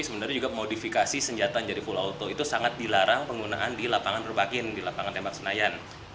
sebenarnya juga modifikasi senjata jadi full auto itu sangat dilarang penggunaan di lapangan perbakin di lapangan tembak senayan